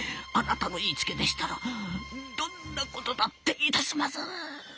あなたの言いつけでしたらどんなことだっていたします。